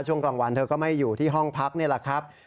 ช่วงกลางวันเธอก็ไม่อยู่ที่ห้องพักนี่แหละครับ